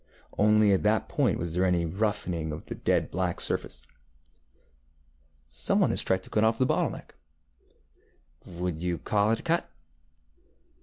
Only at that point was there any roughening of the dead black surface. ŌĆ£Some one has tried to cut off the neck. ŌĆØ ŌĆ£Would you call it a cut?